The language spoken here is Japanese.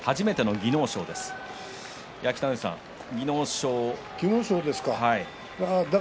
技能賞ですか。